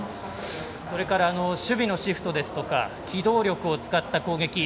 それから守備のシフトですとか機動力を使った攻撃